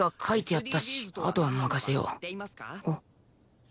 あっ